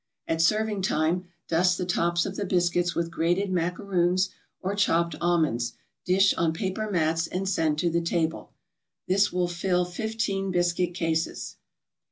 At serving time, dust the tops of the biscuits with grated macaroons or chopped almonds, dish on paper mats, and send to the table. This will fill fifteen biscuit cases.